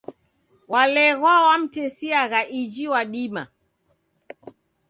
Waleghwa wamtesiagha iji wadima.